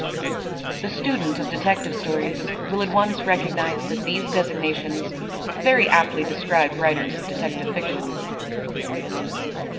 The student of Detective Stories will at once recognize that these designations very aptly describe writers of detective fiction.